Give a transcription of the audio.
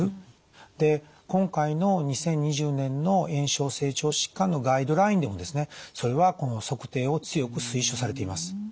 で今回の２０２０年の炎症性腸疾患のガイドラインでもですねそれはこの測定を強く推奨されています。